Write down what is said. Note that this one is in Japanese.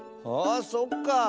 あそっか。